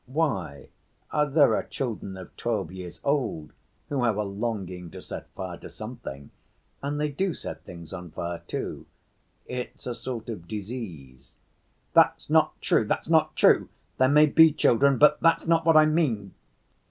"Why? There are children of twelve years old, who have a longing to set fire to something and they do set things on fire, too. It's a sort of disease." "That's not true, that's not true; there may be children, but that's not what I mean."